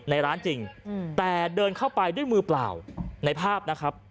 ในร้านจริงแต่เดินเข้าไปด้วยมือเปล่าในภาพนะครับ